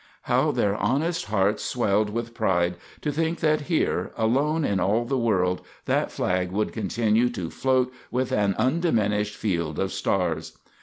How their honest hearts swelled with pride to think that here, alone in all the world, that flag would continue to float with an undiminished field of stars!